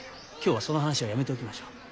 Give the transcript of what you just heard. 今日はその話はやめておきましょう。